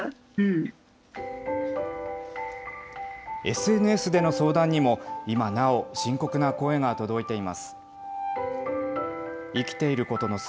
ＳＮＳでの相談にも、今なお深刻な声が届いています。